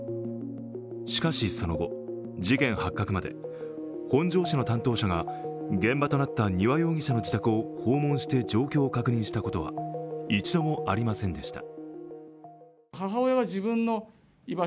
しかしその後、事件発覚まで本庄市の担当者が現場となった丹羽容疑者の自宅を訪問して状況を確認したことは一度もありませんでした。